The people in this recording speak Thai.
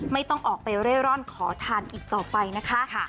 ไม่ต้องออกไปเร่ร่อนขอทานอีกต่อไปนะคะ